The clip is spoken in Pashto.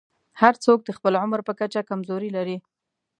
هر څوک د خپل عمر په کچه کمزورۍ لري.